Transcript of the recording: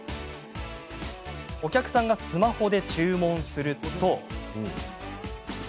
お客さんがスマホで注文すると。